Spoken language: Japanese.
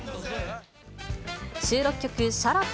収録曲、シャラップ！